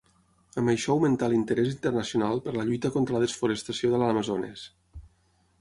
Amb això augmentà l'interès internacional per la lluita contra la desforestació de l'Amazones.